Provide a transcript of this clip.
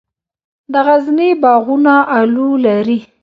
د غزني باغونه الو لري.